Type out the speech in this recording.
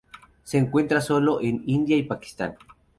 Se encuentra sólo en India y Pakistán.